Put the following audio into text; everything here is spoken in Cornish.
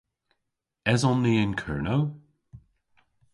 Eson ni yn Kernow?